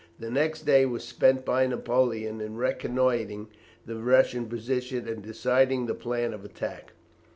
The next day was spent by Napoleon in reconnoitring the Russian position and deciding the plan of attack.